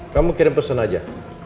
kamu kirim pesen aja